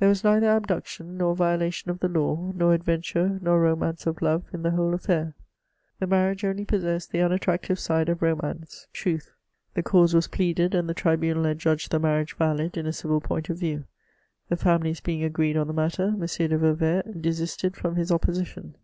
There was neither abduction, nor violation of the law, nor adventure, nor romance of love in the whole aflBair ; the marriage CHATEAUKOAND. 311 oaljr possessed the imattrftctiTe side of romanc8 * tru4h« The cause was pleaded, and the trilmnal adjudged the marriage yalid ia a civil point of view. The fiunihes being agreed on the matter, M. de Vauvert d^isted from his opposition.